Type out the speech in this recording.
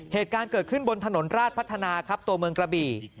เหตุการณ์เกิดขึ้นบนถนนราชพัฒนาครับตัวเมืองกระบี่